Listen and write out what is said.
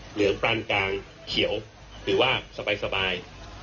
เหลืองปรานกลางเขียวถือว่าสบาย